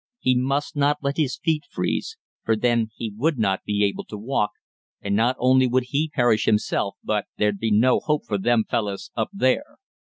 He must not let his feet freeze; for then he would not be able to walk, and not only would he perish himself, but "there'd be no hope for them fellus up there."